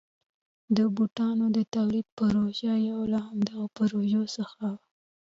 د بوټانو د تولید پروژه یو له همدغو پروژو څخه وه.